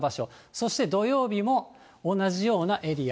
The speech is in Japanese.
そして土曜日も同じようなエリア。